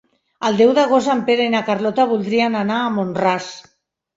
El deu d'agost en Pere i na Carlota voldrien anar a Mont-ras.